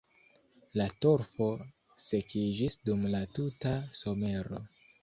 La torfo sekiĝis dum la tuta somero.